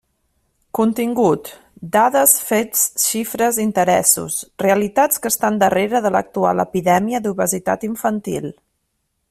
Contingut: Dades, fets, xifres, interessos, realitats que estan darrere de l'actual epidèmia d'obesitat infantil.